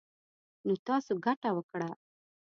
نـو تـاسو ګـټـه وكړه.